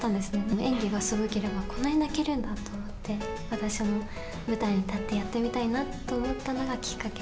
演技がすごければ、こんなに泣けるんだと思って、私も舞台に立ってやってみたいなと思ったのがきっかけ。